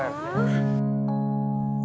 terima kasih pak togar